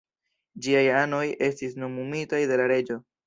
Ĝiaj anoj estis nomumitaj de la reĝo.